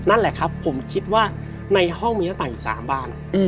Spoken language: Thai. นั่นแหละครับผมคิดว่าในห้องมีหน้าต่างอยู่๓บาน